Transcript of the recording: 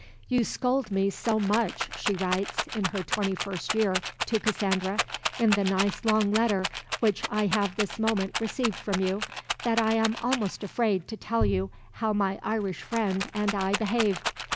"You scold me so much," she writes, in her twenty first year, to Cassandra, "in the nice long letter which I have this moment received from you, that I am almost afraid to tell you how my Irish friend and I behaved.